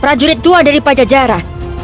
prajurit dua dari pajajara